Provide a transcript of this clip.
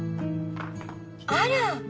あら。